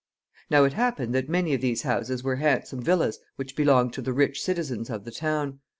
Now it happened that many of these houses were handsome villas which belonged to the rich citizens of the town.